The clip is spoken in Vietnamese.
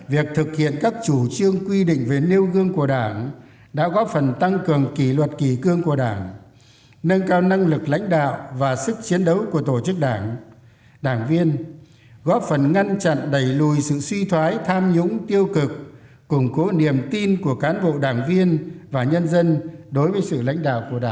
việc thực hiện các chủ trương quy định về nêu gương của đảng đã góp phần tăng cường kỷ luật kỷ cương của đảng nâng cao năng lực lãnh đạo và sức chiến đấu của tổ chức đảng đảng viên góp phần ngăn chặn đẩy lùi sự suy thoái tham nhũng tiêu cực củng cố niềm tin của cán bộ đảng viên và nhân dân đối với sự lãnh đạo của đảng